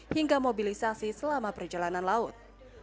hingga mobilisasi selama perjalanan laut